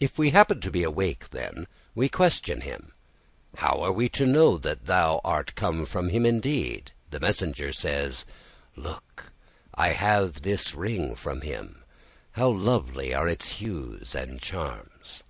If we happen to be awake then, we question him: "How are we to know that thou art come from him indeed?" The messenger says, "Look! I have this ring from him. How lovely are its hues and charms!"